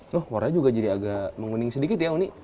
loh warnanya juga jadi agak menguning sedikit ya unik